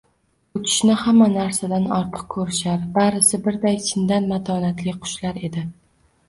Uchishni hamma narsadan ortiq ko‘rishar, barisi birday — chindan matonatli qushlar edi.